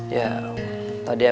ya tadi aja